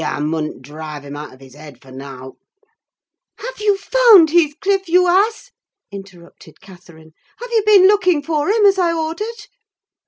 Yah mun'n't drive him out of his heead for nowt!" "Have you found Heathcliff, you ass?" interrupted Catherine. "Have you been looking for him, as I ordered?"